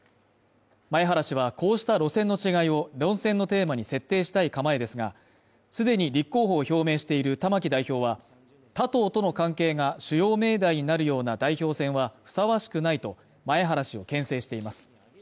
前原氏はこうした路線の違いを論戦のテーマに設定したい構えですがすでに立候補を表明している玉木代表は他党との関係が主要命題になるような代表戦はふさわしくないと前原氏をけん制しています